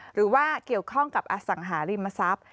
หรือว่าเกี่ยวข้องกับอสังหาริมทรัพย์